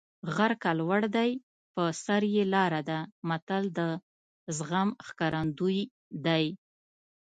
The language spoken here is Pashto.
غر که لوړ دی په سر یې لاره ده متل د زغم ښکارندوی دی